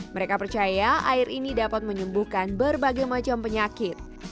mereka percaya air ini dapat menyembuhkan berbagai macam penyakit